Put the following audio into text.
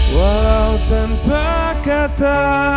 walau tanpa kata